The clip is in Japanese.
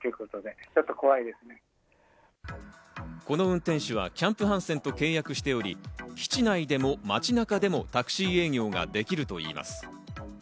この運転手はキャンプ・ハンセンと契約しており、基地内でも街中でもタクシー営業ができるといいます。